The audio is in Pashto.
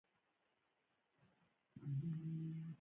اوړه د پاستا جوړولو مواد دي